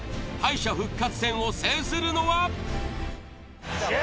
敗者復活戦を制するのは。